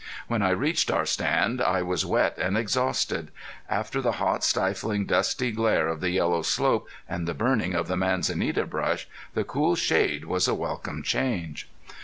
When I reached our stand I was wet and exhausted. After the hot, stifling, dusty glare of the yellow slope and the burning of the manzanita brush, the cool shade was a welcome change.